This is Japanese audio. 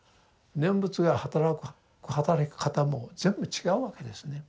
念仏がはたらくはたらき方も全部違うわけですね。